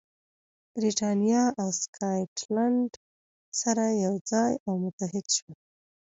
برېټانیا او سکاټلند سره یو ځای او متحد شول.